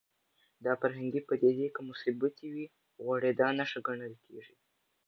دا فرهنګي پدیدې که مثبتې وي غوړېدا نښه ګڼل کېږي